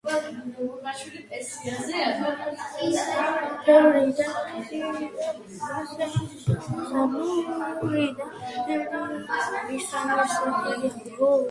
გომინდანის პარტიის დამაარსებელი.